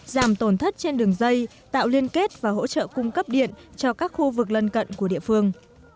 giảm tổn thất trên đường dây tạo liên kết và hỗ trợ cung cấp điện cho các khu vực lân cận của địa phương